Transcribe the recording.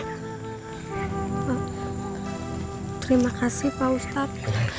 terima kasih pak ustadz